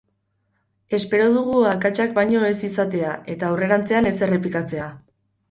Espero dugu akatsak baino ez izatea eta aurrerantzean ez errepikatzea.